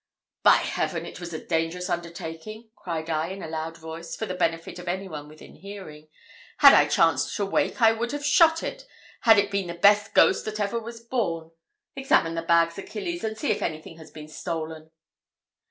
"By Heaven! it was a dangerous undertaking!" cried I in a loud voice, for the benefit of any one within hearing. "Had I chanced to wake I would have shot it, had it been the best ghost that ever was born. Examine the bags, Achilles, and see if anything has been stolen."